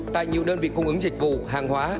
tại nhiều đơn vị cung ứng dịch vụ hàng hóa